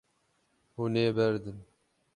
Hûn ê berdin.